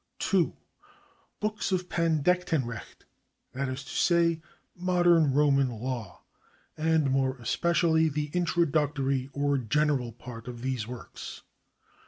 ^ 2. Books of Pandektenrecht (that is to say, Mode?'n Roman Law), and more especially the Introductory or General Part of these works.